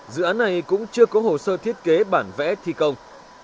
dự án này cũng chưa có hồ sơ thiết kế bản vẽ thi công